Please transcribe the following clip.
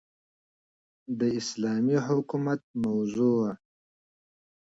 داسلامي حكومت موضوع